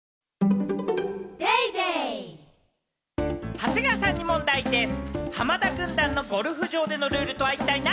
長谷川さんに問題です。